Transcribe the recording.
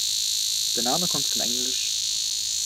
Der Name kommt von engl.